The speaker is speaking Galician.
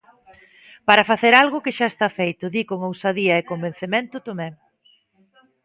Para facer algo que xa está feito, di con ousadía e convencemento Tomé.